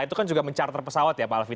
itu kan juga men charter pesawat ya pak alvin